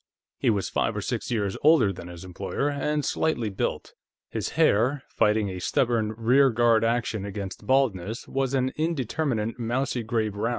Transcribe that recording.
He was five or six years older than his employer, and slightly built. His hair, fighting a stubborn rearguard action against baldness, was an indeterminate mousy gray brown.